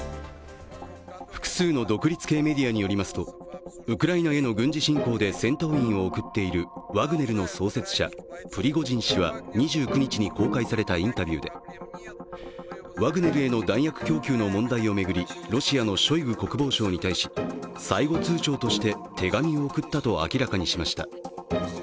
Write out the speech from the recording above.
複数の独立系メディアによりますと、ウクライナへの軍事侵攻で戦闘員を送っているワグネルの創始者・プリゴジン氏は２９日に公開されたインタビューでワグネルへの弾薬供給を巡り、ロシアのショイグ国防相に対し最後通牒として手紙を送ったと明らかにしました。